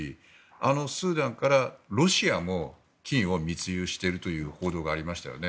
あのスーダンからロシアも金を密輸しているという報道がありましたよね。